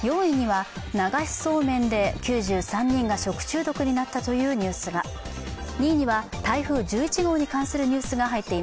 ４位には流しそうめんで９３人が食中毒になったニュースが肺っています。